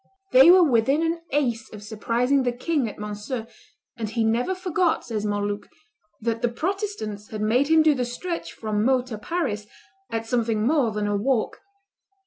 They were within an ace of surprising the king at Monceaux, and he never forgot, says Montluc, that "the Protestants had made him do the stretch from Meaux to Paris at something more than a walk."